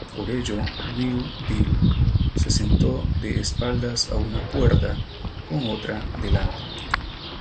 Por ello "Wild Bill" se sentó de espaldas a una puerta, con otra delante.